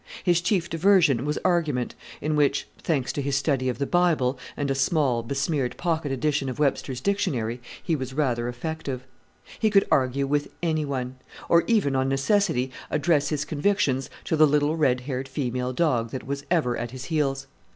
His chief diversion was argument, in which thanks to his study of the Bible, and a small, besmeared pocket edition of Webster's Dictionary he was rather effective. He could argue with any one; or even on necessity address his convictions to the little red haired female dog that was ever at his heels.